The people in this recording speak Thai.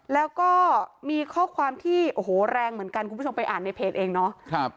แล้วก็มีข้อความที่โอ้โหแรงเหมือนกันคุณผู้ชมไปอ่านในเพจเองเนาะ